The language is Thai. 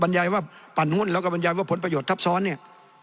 ยายว่าปั่นหุ้นแล้วก็บรรยายว่าผลประโยชน์ทับซ้อนเนี่ย